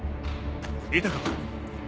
いたか？